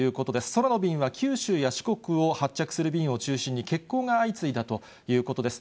空の便は九州や四国を発着する便を中心に、欠航が相次いだということです。